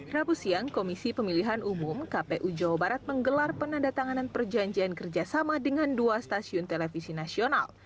rabu siang komisi pemilihan umum kpu jawa barat menggelar penandatanganan perjanjian kerjasama dengan dua stasiun televisi nasional